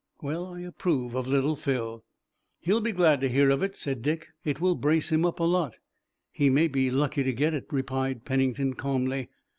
Well, I approve of Little Phil." "He'll be glad to hear of it," said Dick. "It will brace him up a lot." "He may be lucky to get it," replied Pennington calmly.